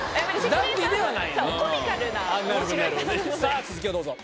さぁ続きをどうぞ。